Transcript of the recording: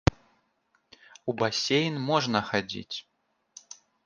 У басейн можна хадзіць.